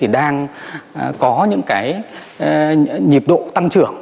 đang có những nhiệm độ tăng trưởng